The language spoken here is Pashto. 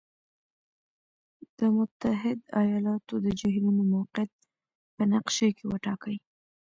د متحد ایالاتو د جهیلونو موقعیت په نقشې کې وټاکئ.